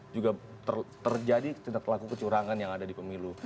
juga terjadi tidak terlaku kecurangan yang ada di pemilu